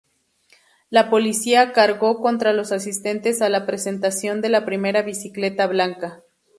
La policía cargó contra los asistentes a la Presentación de la Primera Bicicleta Blanca.